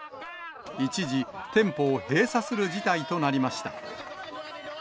一時、店舗を閉鎖する事態となりました。